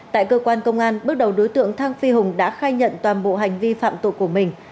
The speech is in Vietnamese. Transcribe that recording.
tại cơ quan công an bước đầu đối tượng thang phi hùng đã khai nhận toàn bộ hành vi phạm tội của mình